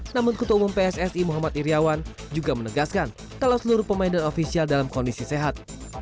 namun ketua umum pssi muhammad iryawan juga menegaskan kalau seluruh pemain dan ofisial dalam kondisi sehat